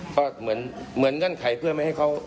ก็เหมือนเงื่อนไขเพื่อไม่ให้เขา